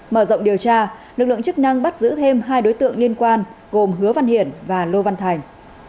mở rộng điều tra lực lượng chức năng bắt giữ thêm hai đối tượng liên quan gồm hứa văn hiển và lô văn thành